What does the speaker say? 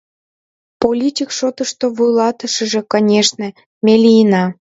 Политик шотышто вуйлатышыже, конешне, ме лийына.